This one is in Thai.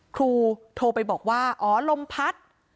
ครูโทรไปบอกว่าอ๋อลมพัด